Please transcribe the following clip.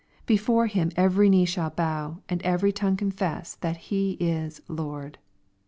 " Before Him every knee shall bow, and every tongue confess that He is Lord."